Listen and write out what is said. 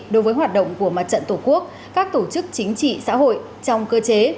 đối với hoạt động của mặt trận tổ quốc các tổ chức chính trị xã hội trong cơ chế